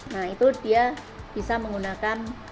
nah itu dia bisa menggunakan